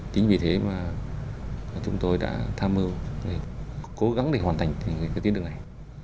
chính vì thế mà chúng tôi đã tham mưu cố gắng để hoàn thành cái tiến đường này